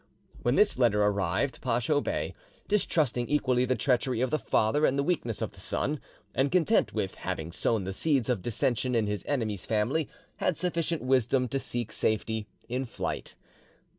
When this letter arrived, Pacho Bey, distrusting equally the treachery of the father and the weakness of the son, and content with having sown the seeds of dissension in his enemy's family, had sufficient wisdom to seek safety in flight.